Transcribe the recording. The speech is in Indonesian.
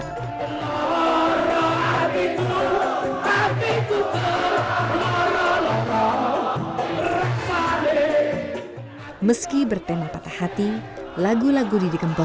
yang belia istri kedua didi kempot banyak mengetahui bagaimana lagu lagu didi diciptakan